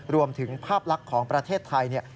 รวมถึงภาพลักษณ์ของประเทศไทย